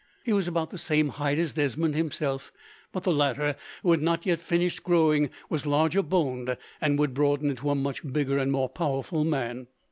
He was about the same height as Desmond himself, but the latter, who had not yet finished growing, was larger boned, and would broaden into a much bigger and more powerful man.